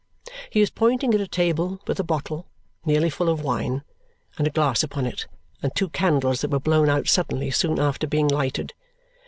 He is pointing at a table with a bottle (nearly full of wine) and a glass upon it and two candles that were blown out suddenly soon after being lighted.